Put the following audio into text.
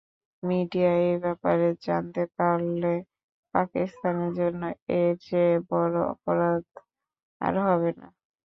Media এ ব্যাপারে জানতে পারলে, পাকিস্তানের জন্য এরচেয়ে বড়ো অপমান আর হবে না।